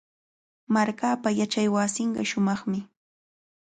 Markaapa yachaywasinqa shumaqmi.